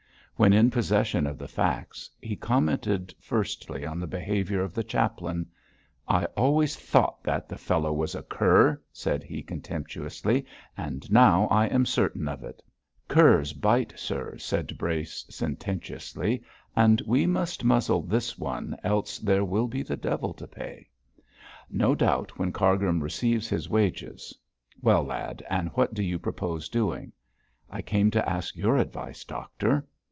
When in possession of the facts, he commented firstly on the behaviour of the chaplain. 'I always thought that the fellow was a cur!' said he, contemptuously, 'and now I am certain of it.' 'Curs bite, sir,' said Brace, sententiously, 'and we must muzzle this one else there will be the devil to pay.' 'No doubt, when Cargrim receives his wages. Well, lad, and what do you propose doing?' 'I came to ask your advice, doctor!'